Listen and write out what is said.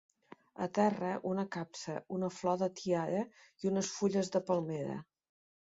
A terra, una capsa, una flor de tiara i unes fulles de palmera.